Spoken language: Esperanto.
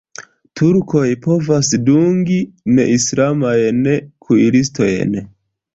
Turkoj povas dungi neislamajn kuiristojn.